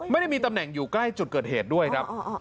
ไม่ได้มีตำแหน่งอยู่ใกล้จุดเกิดเหตุด้วยครับ